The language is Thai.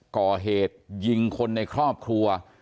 ก่อเหตุยิงคนในครอบครัว